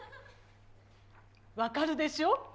分かるでしょ？